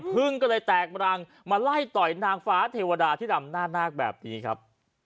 พึ่งก็เลยแตกรังมาไล่ต่อยนางฟ้าเทวดาที่ดำหน้านาคแบบนี้ครับ